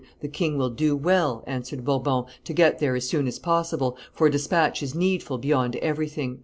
"The king will do well," answered Bourbon, "to get there as soon as possible, for despatch is needful beyond everything."